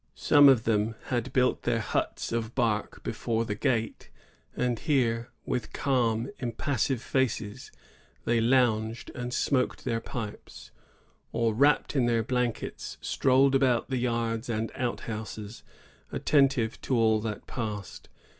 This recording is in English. Some of them had built their huts of bark before the gate, and here, with calm, impassive faces, they lounged and smoked their pipes; or, wrapped in their blankets, strolled about the yards and outhouses, attentive to all that passed.